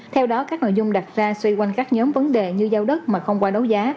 theo đó các nội dung đặt ra xoay quanh các nhóm vấn đề như giao đất mà không qua đấu giá